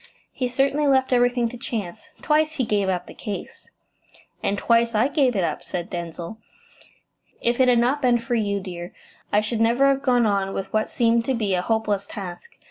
"He certainly left everything to chance. Twice he gave up the case.". "And twice I gave it up," said Denzil. "If it had not been for you, dear, I should never have gone on with what seemed to be a hopeless task.